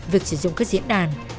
việc sử dụng các diễn đàn